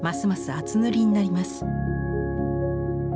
厚塗りになります。